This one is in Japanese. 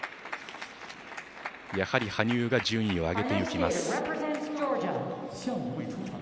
やはり羽生が順位を上げていきます。